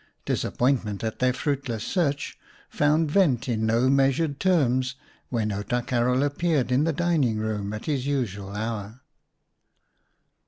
Disappointment at their fruitless search found vent in no measured terms when Outa Karel appeared in the dining room at his usual hour.